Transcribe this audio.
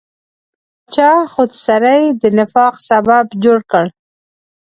د پاچا خودسرۍ د نفاق سبب جوړ کړ.